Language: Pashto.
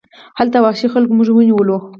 هلته وحشي خلکو موږ ونیولو.